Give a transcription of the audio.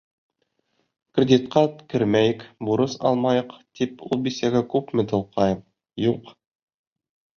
Кредитҡа кермәйек, бурыс алмайыҡ, тип ул бисәгә күпме тылҡыйым, юҡ.